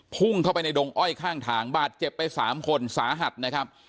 พุ่งเข้าไปในดงอ้อยข้างทางบาดเจ็บไปสามคนสาหัสนะครับ